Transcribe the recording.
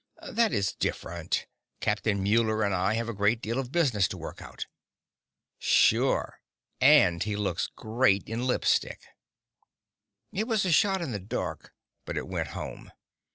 "That is different. Captain Muller and I have a great deal of business to work out." "Sure. And he looks great in lipstick!" It was a shot in the dark, but it went home.